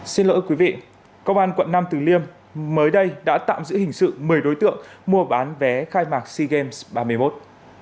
xin lỗi quý vị công an quận nam tử liêm mới đây đã tạm giữ hình sự một mươi đối tượng mua bán vé khai mạc sea games ba mươi một